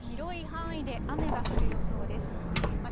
土日は広い範囲で雨が降る予想です。